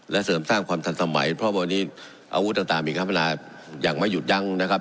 และเสริมสร้างความทันสมัยเพราะวันนี้อาวุธต่างมีการพัฒนาอย่างไม่หยุดยั้งนะครับ